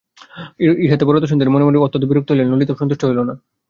ইহাতে বরদাসুন্দরী মনে মনে অত্যন্ত বিরক্ত হইলেন, ললিতাও সন্তুষ্ট হইল না।